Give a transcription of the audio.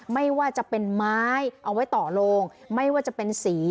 ไม่ว่าจะเป็นไม้เอาไว้ต่อโลงไม่ว่าจะเป็นสี